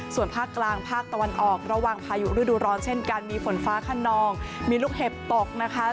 ส่วนภาคกลางภาคตะวันออกระหว่างพายุฤดูร้อนเช่นกันมีฝนฟ้าขนองมีลูกเห็บตกนะคะ